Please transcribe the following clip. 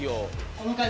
この感じ。